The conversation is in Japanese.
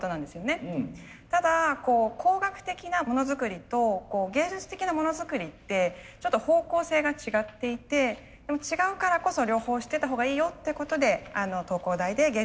ただ工学的なものづくりと芸術的なものづくりってちょっと方向性が違っていてでも違うからこそ両方知ってたほうがいいよってことで東工大で芸術の授業を教えています。